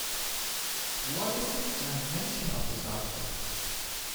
What is the dimension of this object?